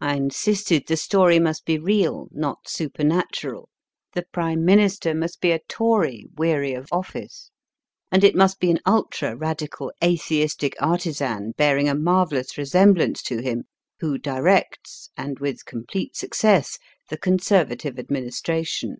I insisted the story must be real, not super natural, the Prime Minister must be a Tory, weary of office, and it must be an ultra Radical atheistic artisan bearing a marvellous resemblance to him who directs (and with com plete success) the Conservative Administration.